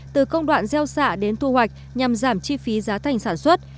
từ công đoạn gieo xạ đến thu hoạch nhằm giảm chi phí giá thành sản xuất